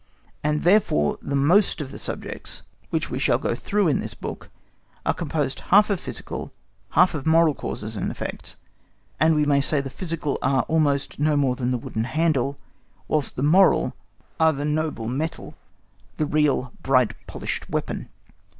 And therefore the most of the subjects which we shall go through in this book are composed half of physical, half of moral causes and effects, and we might say the physical are almost no more than the wooden handle, whilst the moral are the noble metal, the real bright polished weapon.